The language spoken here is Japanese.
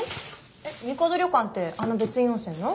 えっみかど旅館ってあの別院温泉の？